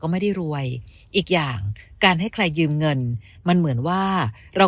ไม่ได้รวยอีกอย่างการให้ใครยืมเงินมันเหมือนว่าเรา